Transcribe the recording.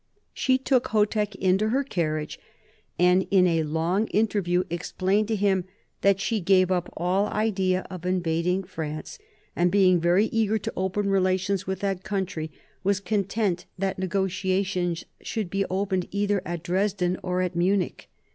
She took Chotek into her carriage, and in a long interview explained to him that she gave up all idea of invading France, and being very eager to open relations with that country, was content that negotiations should be opened either at Dresden or at Munich.